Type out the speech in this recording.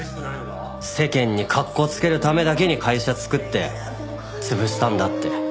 世間に格好つけるためだけに会社作って潰したんだって。